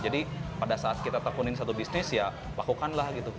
jadi pada saat kita tekunin satu bisnis ya lakukanlah gitu